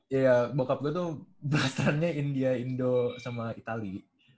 iya bokap gue tuh belas terannya india indo sama itali